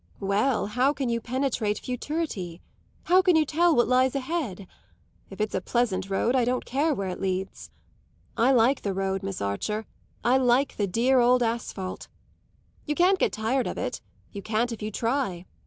Well, how can you penetrate futurity? How can you tell what lies ahead? If it's a pleasant road I don't care where it leads. I like the road, Miss Archer; I like the dear old asphalte. You can't get tired of it you can't if you try.